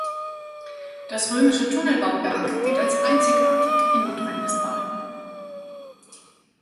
Das römische Tunnelbauwerk gilt als einzigartig in Nordrhein-Westfalen.